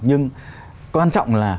nhưng quan trọng là